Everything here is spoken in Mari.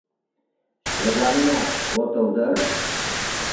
Черланенак отыл дыр?